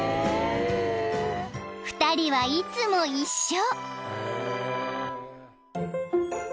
［２人はいつも一緒］